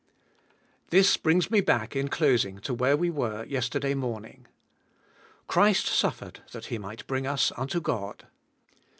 ' This brings me back in closing to where we were yesterday morning. Christ suffered that He might bring us unto God.